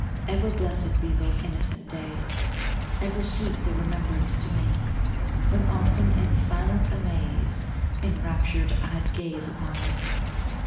Ever blessed be those innocent days, Ever sweet their remembrance to me; When often, in silent amaze, Enraptured, I'd gaze upon thee!